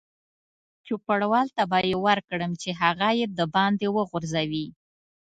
چوپړوال ته به یې ورکړم چې هغه یې دباندې وغورځوي.